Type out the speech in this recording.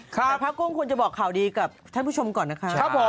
พระครูคควรจะบอกข่าวดีกับท่านผู้ชมก่อนค่ะ